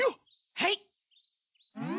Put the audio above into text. はい！